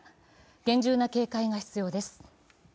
厳重な警戒が必要です。